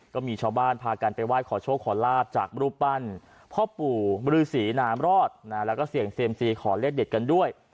ก็มีชาวบ้านพากันไปไหว้ขอโชคขอลาบจากรูปปั้นพ่อปู่บริษีนามรอดแล้วก็เสี่ยงเซียมซีขอเลขเด็ดกันด้วย